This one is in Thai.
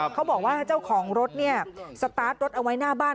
เขาบอกว่าเจ้าของรถสตาร์ทรถเอาไว้หน้าบ้าน